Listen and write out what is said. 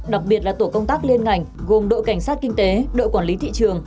đặc biệt là tổ công tác liên ngành gồm đội cảnh sát kinh tế đội quản lý thị trường